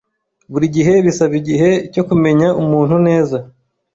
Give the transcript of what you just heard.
Buri gihe bisaba igihe cyo kumenya umuntu neza.